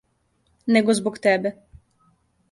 Него због тебе.